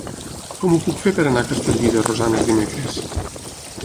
Com ho puc fer per anar a Castellví de Rosanes dimecres?